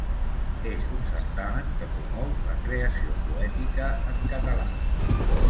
És un certamen que promou la creació poètica en català.